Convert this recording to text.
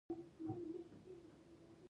باد په دروازه نه ټکوي